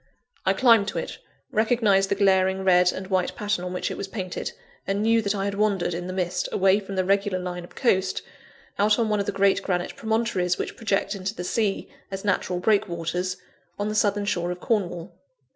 I climbed to it, recognised the glaring red and white pattern in which it was painted, and knew that I had wandered, in the mist, away from the regular line of coast, out on one of the great granite promontories which project into the sea, as natural breakwaters, on the southern shore of Cornwall.